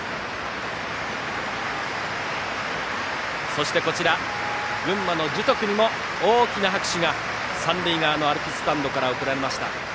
そして群馬の樹徳にも大きな拍手が三塁側のアルプススタンドから送られました。